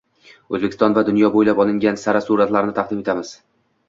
O‘zbekiston va dunyo bo‘ylab olingan sara suratlarni taqdim etamiz